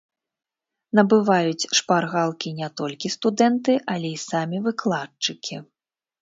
Набываюць шпаргалкі не толькі студэнты, але і самі выкладчыкі.